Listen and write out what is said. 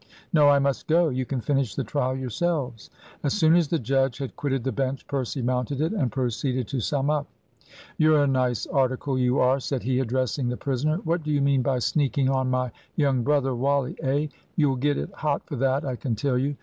"No, I must go. You can finish the trial yourselves." As soon as the judge had quitted the bench, Percy mounted it, and proceeded to sum up. "You're a nice article, you are," said he, addressing the prisoner "what do you mean by sneaking on my young brother, Wally, eh? You'll get it hot for that, I can tell you.